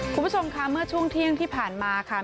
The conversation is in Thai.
คุณผู้ชมค่ะเมื่อช่วงเที่ยงที่ผ่านมาค่ะ